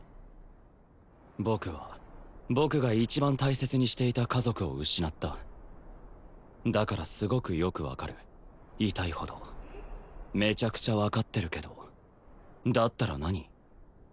僕は僕が一番大切にしていた家族を失っただからすごくよく分かる痛いほどめちゃくちゃ分かってるけどだったら何？